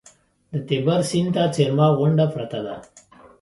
د تیبر سیند ته څېرمه غونډه پرته ده.